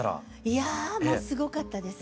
いやもうすごかったです。